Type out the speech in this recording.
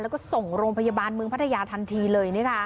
แล้วก็ส่งโรงพยาบาลเมืองพัทยาทันทีเลย